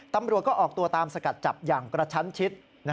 ตำรวจก็ออกตัวตามสกัดจับอย่างกระชั้นชิด